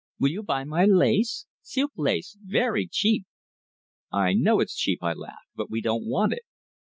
"Will you buy my lace seelk lace; ve ry cheep?" "I know it's cheap," I laughed; "but we don't want it."